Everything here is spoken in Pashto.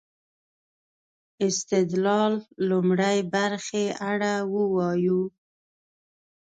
استدلال لومړۍ برخې اړه ووايو.